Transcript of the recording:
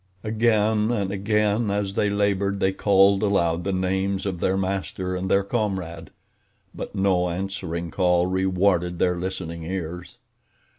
Again and again as they labored they called aloud the names of their master and their comrade; but no answering call rewarded their listening ears.